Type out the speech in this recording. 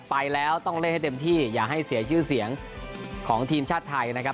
ไปแล้วต้องเล่นให้เต็มที่อย่าให้เสียชื่อเสียงของทีมชาติไทยนะครับ